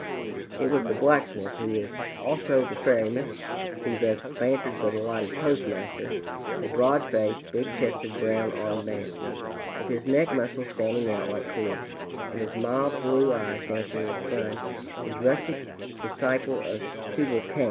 It was the blacksmith, who is also the ferryman, who thus bantered the delighted postmaster, a broad faced, big chested, brown armed man, with his neck muscles standing out like cords, and his mild blue eyes dancing with fun, this rustic disciple of Tubal Cain.